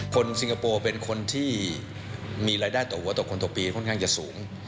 ซิงคโปร์เป็นคนที่มีรายได้ต่อหัวต่อคนต่อปีค่อนข้างจะสูง